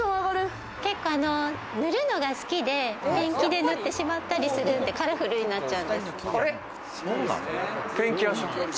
塗るのが好きで、ペンキで塗ってしまったりするんで、カラフルになっちゃう。